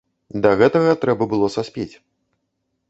Да гэтага трэба было саспець.